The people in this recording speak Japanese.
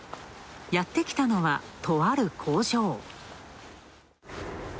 やってきたのは、とある工場。